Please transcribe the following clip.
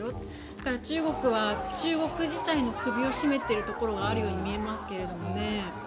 それから中国は中国自体の首を絞めているところがあるように見えますけどね。